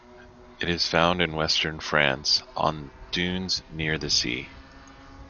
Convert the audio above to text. It is found in western France on dunes near the sea.